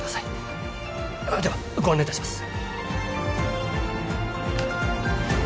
ではご案内いたします。